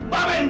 jauh dari sini